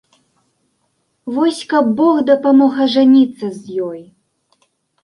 Вось каб бог дапамог ажаніцца з ёй!